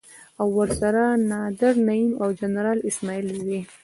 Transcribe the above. او ورسره نادر نعيم او د جنرال اسماعيل زوی.